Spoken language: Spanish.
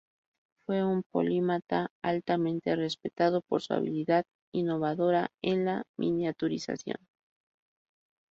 Fue un polímata altamente respetado por su habilidad innovadora en la miniaturización.